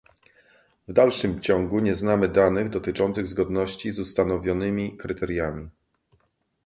W dalszym ciągu nie znamy danych dotyczących zgodności z ustanowionymi kryteriami